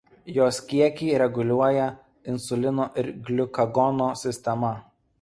Jos kiekį reguliuoja insulino ir gliukagono sistema.